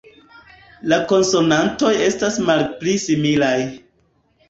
La konsonantoj estas malpli similaj